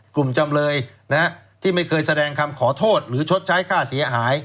จำเลยที่ไม่เคยแสดงคำขอโทษหรือชดใช้ค่าเสียหาย